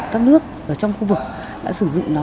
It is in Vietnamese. các nước trong khu vực đã sử dụng nó